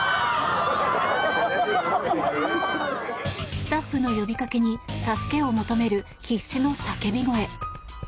スタッフの呼びかけに助けを求める必死の叫び声。